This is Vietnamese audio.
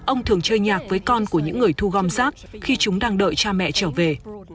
ông thường chơi nhạc với con của những người thu gom rác khi chúng đang đợi cha mẹ trở về